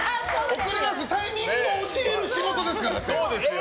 送り出すタイミングを教える仕事ですから。